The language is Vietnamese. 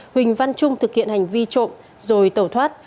huỳnh văn trung thực hiện hành vi trộm rồi tẩu thoát